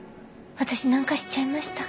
私何かしちゃいました？